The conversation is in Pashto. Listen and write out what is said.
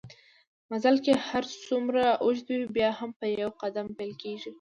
مزل که هرڅومره اوږده وي بیا هم په يو قدم پېل کېږي